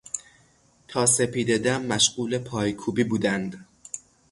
تا سپیدهدم مشغول پای کوبی بودند.